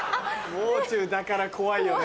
「もう中」だから怖いよね。